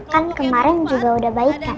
kan kemarin juga udah baik kan